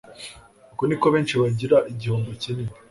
Uko niko benshi bagira igihombo kinini.